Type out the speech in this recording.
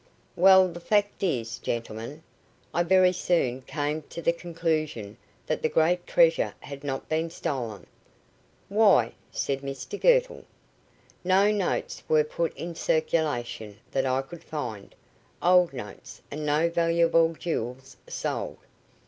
"Well, the fact is, gentlemen, I very soon came to the conclusion that the great treasure had not been stolen." "Why?" said Mr Girtle. "No notes were put in circulation that I could find old notes and no valuable jewels sold."